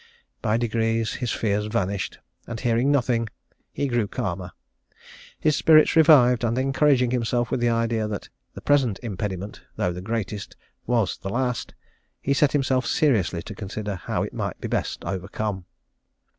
By degrees his fears vanished, and, hearing nothing, he grew calmer. His spirits revived, and encouraging himself with the idea that the present impediment, though the greatest, was the last, he set himself seriously to consider how it might best be overcome.